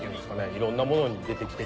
いろんなものに出てきてて。